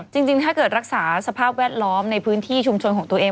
จริงถ้าเกิดรักษาสภาพแวดล้อมในพื้นที่ชุมชนของตัวเอง